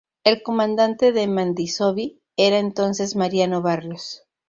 El comandante de Mandisoví era entonces Mariano Barrios.